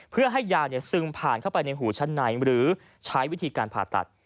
เพื่อให้ยาซึมผ่านเข้าไปในหูชั้นในหรือใช้วิธีการผ่าตัด